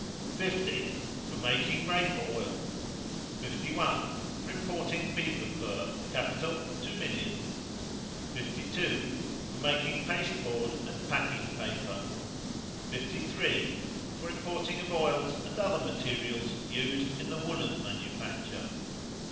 50. For making rape oil. 51. For importing beaver fur. Capital, two millions. 52. For making pasteboard and packing paper. 53. For importing of oils and other materials used in the woollen manufacture.